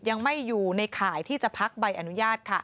ยังไม่อยู่ในข่ายที่จะพักใบอนุญาตค่ะ